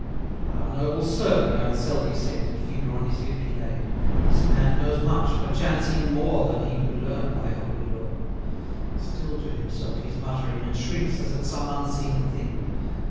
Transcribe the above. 'Ah! noble sir,' young Selby said, And finger on his lip he laid, 'This man knows much, perchance e'en more Than he could learn by holy lore. Still to himself he's muttering, 440 And shrinks as at some unseen thing.